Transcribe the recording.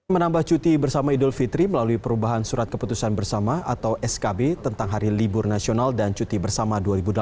menambah cuti bersama idul fitri melalui perubahan surat keputusan bersama atau skb tentang hari libur nasional dan cuti bersama dua ribu delapan belas